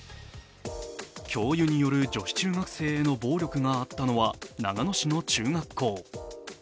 教諭による女子中学生への暴力があったのは、長野市の中学校。